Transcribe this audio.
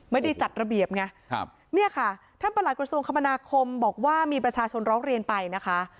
ไม่ได้จัดระเบียบไงนี่ค่ะถ้าบรรลักษณ์กรุงคมนาคมบอกว่ามีประชาชนรอบเรียนไปนะคะ